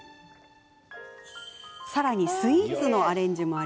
さらに、スイーツのアレンジも。